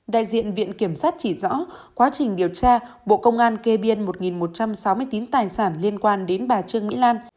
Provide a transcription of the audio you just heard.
đại diện viện kiểm sát chỉ rõ quá trình điều tra bộ công an kê biên một một trăm sáu mươi chín tài sản liên quan đến bà trương mỹ lan